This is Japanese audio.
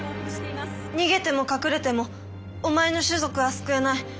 逃げても隠れてもお前の種族は救えない。